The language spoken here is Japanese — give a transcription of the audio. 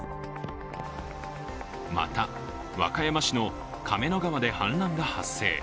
また、和歌山市の亀の川で氾濫が発生。